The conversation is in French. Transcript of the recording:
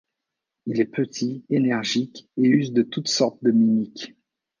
Il est petit, énergique et use de toutes sortes de mimiques.